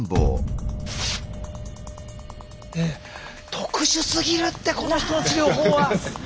特殊すぎるってこの人の治療法は！